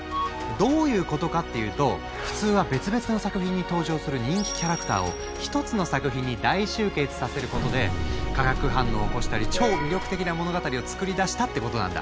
どういうことかっていうと普通は別々の作品に登場する人気キャラクターを一つの作品に大集結させることで化学反応を起こしたり超魅力的な物語を作り出したってことなんだ。